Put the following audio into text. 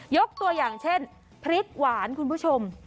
ยกตัวอย่างเช่นพริกหวานคุณผู้ชม